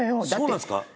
そうなんですか？